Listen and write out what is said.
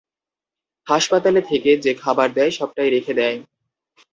হাসপাতাল থেকে যে- খাবার দেয়, সবটাই রেখে দেয়।